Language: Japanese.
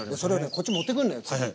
こっち持ってくんのよ次。